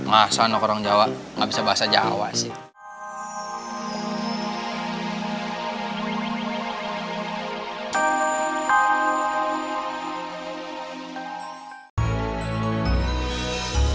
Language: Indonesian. ya masa anak orang jawa enggak bisa bahasa jawa sih